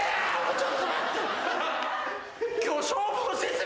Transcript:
ちょっと待って。